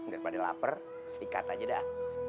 daripada lapar sikat aja dah